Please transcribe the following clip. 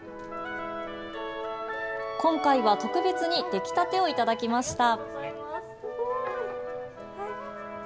今回は特別に出来たてをいただきました。